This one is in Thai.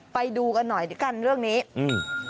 ไปดูกันหน่อยด้วยกันเรื่องนี้อืม